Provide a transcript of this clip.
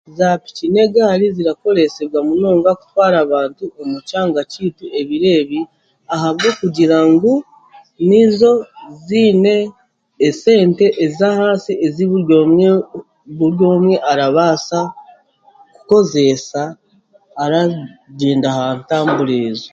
Zaapiki n'egaari zirakoreesebwa munonga kutwara abantu omu kyanga kyaitu ebiro ebi, ahabwokugira ngu nizo ziine esente ez'ahansi ezi buri omwe buri omwe arabaasa kukozeesa aragyenda aha ntambura ezo.